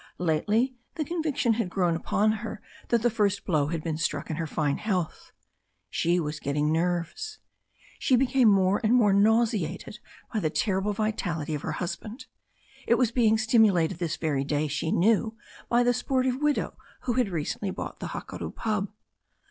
Lately the con viction had grown upon her that the first blow had been struck at her fine health. She was getting nerves. She became more and more nauseated by the terrible vitality of her husband. It was being stimulated this very day, she knew, by the sportive widow who had recently bought the Hakaru pub.